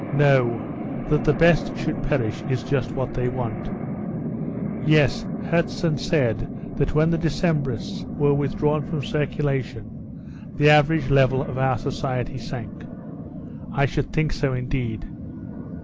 No; that the best should perish is just what they want. Yes, Herzen said that when the Decembrists were withdrawn from circulation the average level of our society sank. I should think so, indeed.